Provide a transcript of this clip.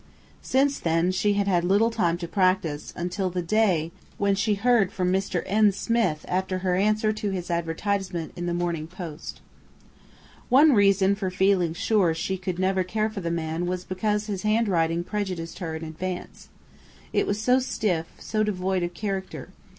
Since then she had had little time to practise, until the day when she heard from "Mr. N. Smith" after her answer to his advertisement in the Morning Post. One reason for feeling sure she could never care for the man was because his handwriting prejudiced her in advance, it was so stiff, so devoid of character.